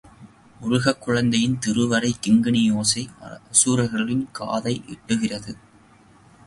முருகக் குழந்தையின் திருவரைக் கிங்கிணியோசை அசுரர்களின் காதை எட்டுகிறது.